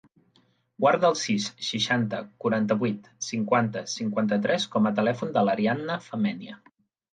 Guarda el sis, seixanta, quaranta-vuit, cinquanta, cinquanta-tres com a telèfon de l'Ariana Femenia.